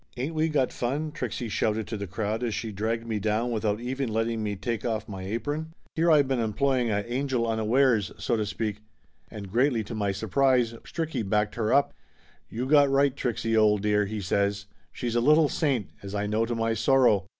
"Ain't we got fun ?" Trixie shouted to the crowd as she dragged me down without even letting me take off 159 160 Laughter Limited my apron. "Here I been employing a angel unawares, so to speak!" And greatly to my surprise, Stricky backed her up. "You got right, Trixie, old dear!" he says. "She's a little saint, as I know to my sorrow.